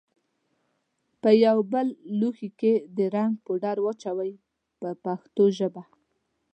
په یوه بېل لوښي کې د رنګ پوډر واچوئ په پښتو ژبه.